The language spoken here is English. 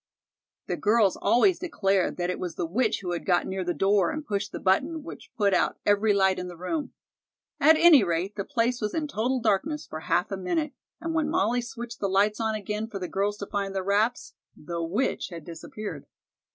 The girls always declared that it was the witch who had got near the door and pushed the button which put out every light in the room. At any rate, the place was in total darkness for half a minute, and when Molly switched the lights on again for the girls to find their wraps the witch had disappeared.